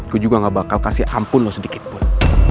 gue juga gak bakal kasih ampun lo sedikitpun